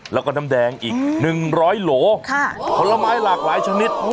แล้วก็น้ำแดงอีกหนึ่งร้อยโหลค่ะผลไม้หลากหลายชนิดอู้